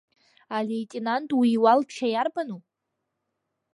Алеитенант, уи иуалԥшьа иарбану?